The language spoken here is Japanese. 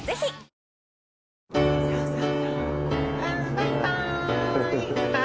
バイバーイ。